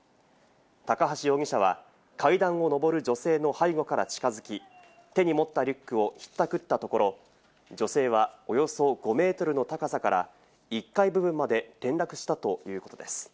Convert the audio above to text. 高橋容疑者は、階段をのぼる女性の背後から近づき、手に持ったリュックをひったくったところ、女性はおよそ５ｍの高さから１階部分まで転落したということです。